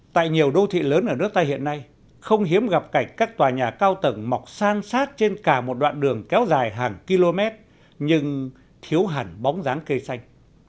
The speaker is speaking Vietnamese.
tại nhiều đô thị lớn ở nước ta hiện nay không hiếm gặp cảnh các tòa nhà cao tầng mọc san sát trên cả một đoạn đường kéo dài hàng km nhưng thiếu hẳn bóng dáng cây xanh